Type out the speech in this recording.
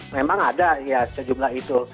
memang ada ya sejumlah itu